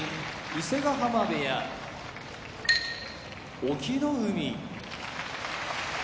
伊勢ヶ濱部屋隠岐の海